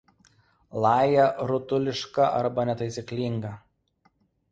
Laja rutuliška arba netaisyklinga.